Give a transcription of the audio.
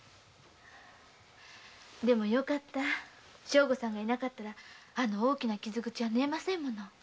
正吾さんが居なかったらあの大きな傷口は縫えませんもの。